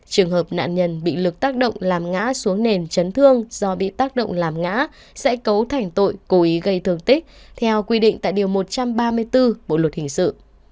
trường hợp nạn nhân bị lực tác động làm ngã xuống nền chấn thương do bị tác động làm ngã sẽ cấu thành tội cố ý gây thương tích theo quy định tại điều một trăm ba mươi bốn bộ luật hình sự